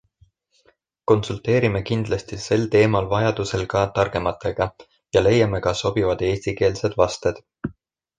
Konsulteerime kindlasti sel teemal vajadusel ka targematega ja leiame ka sobivad eestikeelsed vasted.